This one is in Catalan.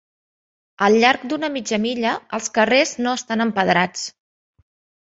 Al llarg d'una mitja milla, els carrers no estan empedrats.